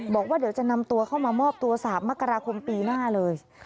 บอกว่าเดี๋ยวจะนำตัวเข้ามามอบตัว๓มกราคมปีหน้าเลย